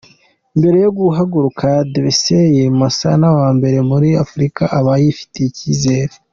Mbere yo guhaguruka Debesay Mosana wa mbere muri Afurika aba yifitiye ikizere